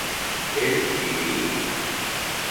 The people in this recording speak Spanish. él viviría